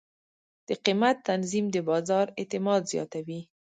د قیمت تنظیم د بازار اعتماد زیاتوي.